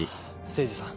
誠司さん。